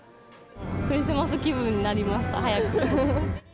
クリスマス気分になりました、早くも。